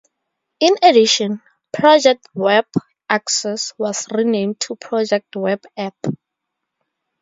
In addition, "Project Web Access" was renamed to "Project Web App".